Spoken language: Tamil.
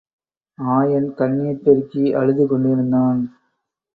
ஆயன் கண்ணிர் பெருக்கி அழுதுகொண்டிருந்தான்.